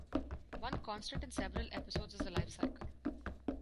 One constant in several episodes is the life cycle.